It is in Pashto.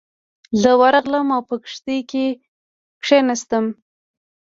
زه ورغلم او په کښتۍ کې کېناستم.